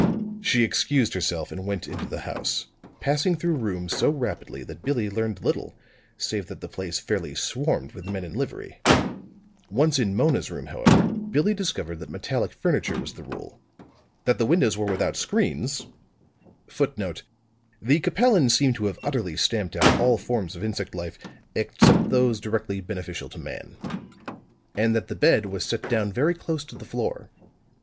She excused herself and went into the house, passing through rooms so rapidly that Billie learned little, save that the place fairly swarmed with men in livery. Once in Mona's room, however, Billie discovered that metallic furniture was the rule; that the windows were without screens, [Footnote: The Capellans seem to have utterly stamped out all forms of insect life except those directly beneficial to man.] and that the bed was set down very close to the floor.